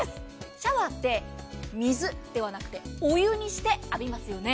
シャワーって水ではなくてお湯にして浴びますよね。